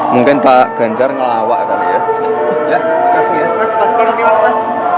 mungkin tak ganjar ngelawa kali ya ya kasih ya